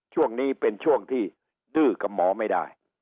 ช่วงนี้เป็นช่วงที่ดื้อกับหมอไม่ได้